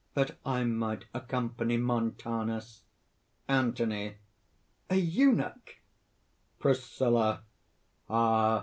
that I might accompany Montanus." ANTHONY. "A eunuch!" PRISCILLA. "Ah!